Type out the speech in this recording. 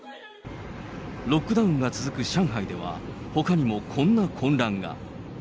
ロックダウンが続く上海では、ほかにもこんな混乱が。